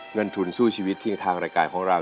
เงินทุนสู้ชีวิตที่ทางรายการของเรา